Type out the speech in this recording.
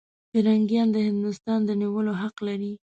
پیرنګیان د هندوستان د نیولو حق لري.